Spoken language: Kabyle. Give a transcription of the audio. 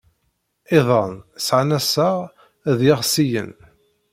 Iḍan sɛan assaɣ ed yiɣsiyen.